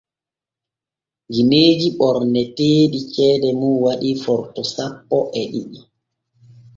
Gineeji ɓorneteeɗi ceede muuɗum waɗa Forto sappo e ɗiɗi.